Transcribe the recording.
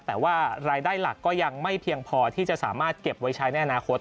แต่ว่ารายได้หลักก็ยังไม่เพียงพอที่จะสามารถเก็บไว้ใช้ในอนาคต